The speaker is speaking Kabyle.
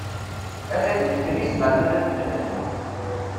Ala din kan i zemren ad afen lehna.